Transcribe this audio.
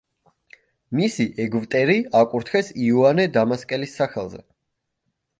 მისი ეგვტერი აკურთხეს იოანე დამასკელის სახელზე.